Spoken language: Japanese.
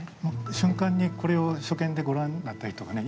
瞬間にこれを初見でご覧になったりとかね